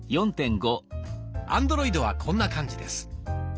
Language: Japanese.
アンドロイドはこんな感じです。